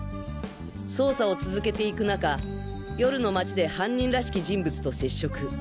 捜査を続けていくなか夜の街で犯人らしき人物と接触。